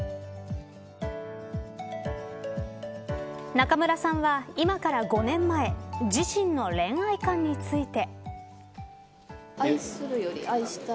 中村さんは今から５年前自身の恋愛観について。